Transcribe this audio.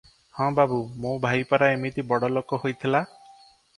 "ହଁ ବାବୁ! ମୋ ଭାଇ ପରା ଏମିତି ବଡ଼ଲୋକ ହୋଇଥିଲା ।